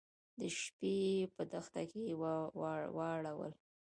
د شپې يې په دښته کې واړول.